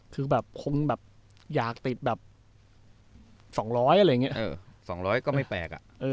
คือแบบคงแบบอยากติดแบบสองร้อยอะไรอย่างเงี้ยเออสองร้อยก็ไม่แปลกอ่ะเออ